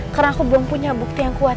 karena aku belum punya bukti yang kuat